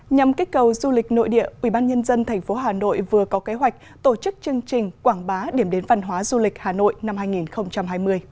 nhằm kích cầu du lịch nội địa ubnd tp hà nội vừa có kế hoạch tổ chức chương trình quảng bá điểm đến văn hóa du lịch hà nội năm hai nghìn hai mươi